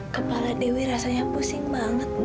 kepala dewi rasanya pusing banget